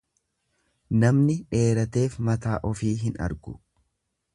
Namni dheerateef mataa ofii hin argu.